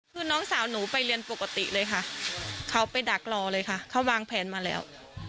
คือน้องสาวหนูไปเรียนปกติเลยค่ะเขาไปดักรอเลยค่ะเขาวางแผนมาแล้ว